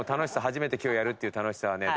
初めて今日やるっていう楽しさはね。